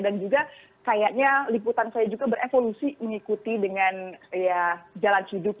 dan juga kayaknya liputan saya juga berevolusi mengikuti dengan ya jalan hidup